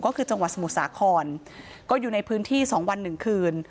ก็คือจังหวัดสมุทรสาครก็อยู่ในพื้นที่๒วัน๑คืน